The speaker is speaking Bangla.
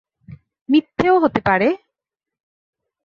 মিথ্যেও হতে পারে?